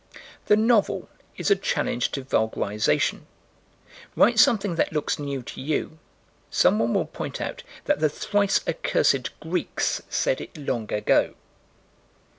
The novel is a challenge to vulgarization: write something that looks new to you: someone will point out that the thrice accursed Greeks said it long ago.